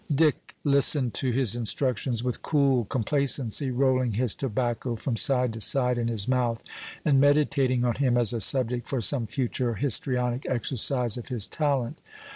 Dick listened to his instructions with cool complacency, rolling his tobacco from side to side in his mouth, and meditating on him as a subject for some future histrionic exercise of his talent.